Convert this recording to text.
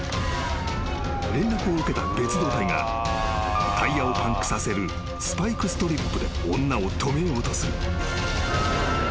［連絡を受けた別動隊がタイヤをパンクさせるスパイクストリップで女を止めようとする］